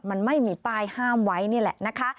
มันไม่มีป้ายห้ามไว้นี่แหละนะคะ